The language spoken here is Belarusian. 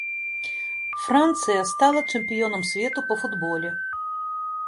Францыя стала чэмпіёнам свету па футболе.